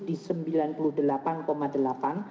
di rp sembilan puluh delapan delapan juta